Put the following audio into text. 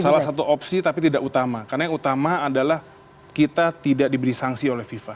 salah satu opsi tapi tidak utama karena yang utama adalah kita tidak diberi sanksi oleh fifa